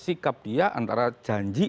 sikap dia antara janji